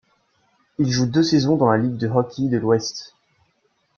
Il joue deux saisons dans la Ligue de hockey de l'Ouest.